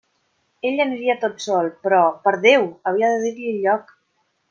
Ell aniria tot sol; però, per Déu!, havia de dir-li el lloc.